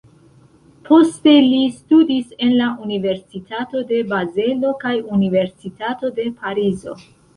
Poste li studis en la Universitato de Bazelo kaj Universitato de Parizo.